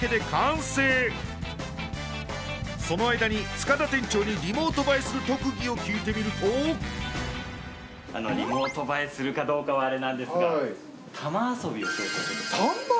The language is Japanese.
その間に塚田店長にリモート映えする特技を聞いてみるとリモート映えするかどうかはあれなんですが玉遊びをちょっと玉遊び？